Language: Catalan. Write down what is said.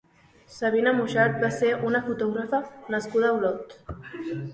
Sabina Muchart va ser una fotògrafa nascuda a Olot.